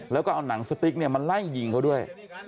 แล้วก็เอาหนังสติ๊กมาไล่ยิงเขาด้วย